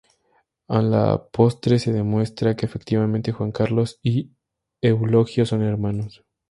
A la postre se demuestra que efectivamente Juan Carlos y Eulogio son hermanos.